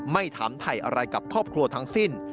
ไม่ถามถ่ายอะไรกับครอบครัวทั้งสิ้น